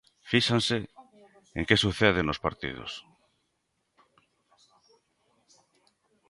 Fíxense en que sucede nos partidos.